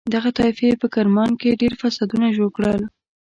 دغه طایفې په کرمان کې ډېر فسادونه جوړ کړل.